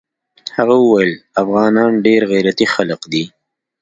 هغه ويل افغانان ډېر غيرتي خلق دي.